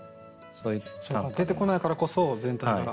そうか出てこないからこそ全体から。